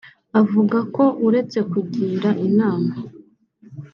Avuga ko uretse kugira inama